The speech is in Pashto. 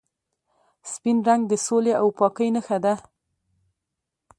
سپین رنګ د سولې او پاکۍ نښه ده.